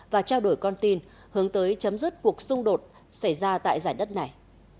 và trao đổi con tin hướng tới chấm dứt cuộc xung đột xảy ra tại giải đất này